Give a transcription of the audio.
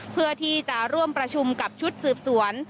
เพื่อที่จะร่วมประชุมกับชุดสืบสวน